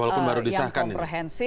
walaupun baru disahkan